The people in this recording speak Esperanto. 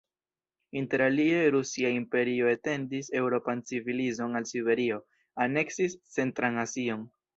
Interalie, Rusia Imperio etendis eŭropan civilizon al Siberio, aneksis centran Azion.